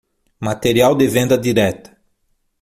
Material de venda direta